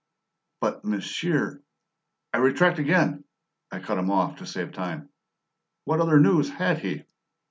"But, monsieur " "I retract again!" I cut him off to save time. "What other news had he?"